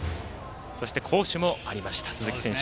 好守もありました鈴木選手。